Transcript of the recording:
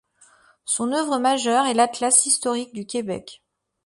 Son œuvre majeure est l'Atlas historique du Québec.